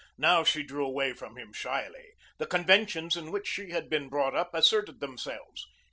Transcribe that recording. Now she drew away from him shyly. The conventions in which she had been brought up asserted themselves.